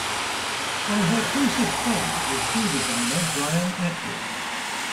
One of her closest friends is shoe designer Brian Atwood.